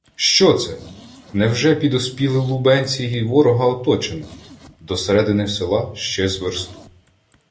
Що це?! Невже підоспіли лубенці й ворога оточено?! До середини села ще з версту.